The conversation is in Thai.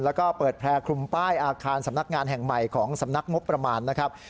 แล้วก็เปิดแพร่คลุมป้ายอาคารสำนักงานแห่งใหม่ของสำนักงบประมาณนะครับ